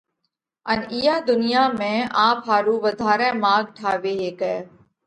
ان ايئا ڌُنيا ۾ آپ ۿارُو وڌارئہ ماڳ ٺاوي هيڪئه۔